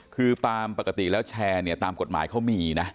คือปาร์มปกติแชร์เนี่ยตามปฎหมายเขามีนะ